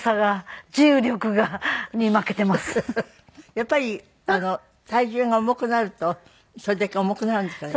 やっぱり体重が重くなるとそれだけ重くなるんですかね？